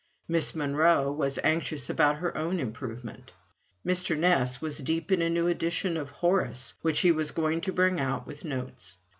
Miss Monro was anxious about her own improvement. Mr. Ness was deep in a new edition of "Horace," which he was going to bring out with notes.